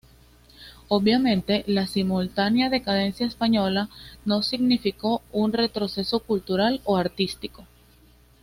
Obviamente, la simultánea decadencia española no significó un retroceso cultural o artístico.